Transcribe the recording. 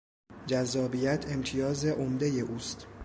جذابیت امتیاز عمدهی اوست.